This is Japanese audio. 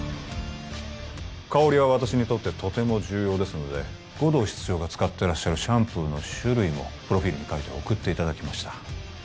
香りは私にとってとても重要ですので護道室長が使ってらっしゃるシャンプーの種類もプロフィールに書いて送っていただきました